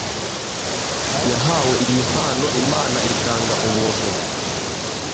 yahawe iyi mpano. imana itanga ubuntu